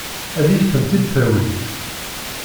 Ad iyi-tent-id-tawimt?